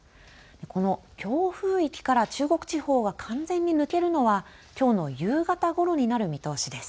この強風域から中国地方は完全に抜けるのはきょうの夕方ごろになる見通しです。